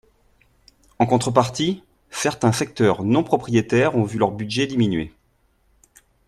En contrepartie, certains secteurs non prioritaires ont vu leur budget diminuer.